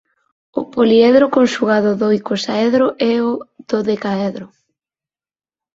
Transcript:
O poliedro conxugado do icosaedro é o dodecaedro.